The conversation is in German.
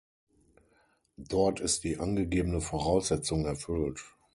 Dort ist die angegebene Voraussetzung erfüllt.